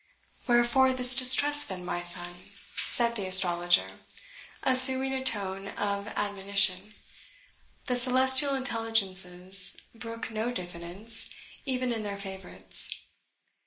"Wherefore this distrust then, my son?" said the astrologer, assuming a tone of admonition; "the celestial intelligences brook not diffidence, even in their favourites."